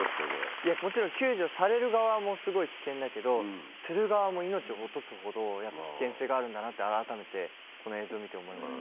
もちろん救助される側もすごい危険だけどする側も命を落とすほど危険性があるんだなってあらためてこの映像を見て思いました。